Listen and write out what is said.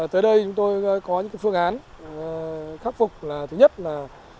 tới đây chúng tôi có những phương án khắc phục là thứ nhất là